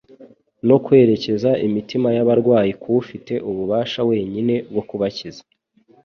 no kwerekeza imitima y'abarwayi k'Ufite ububasha wenyine bwo kubakiza.